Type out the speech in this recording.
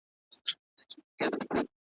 د مېچني په څېر ګرځېدی چالان وو `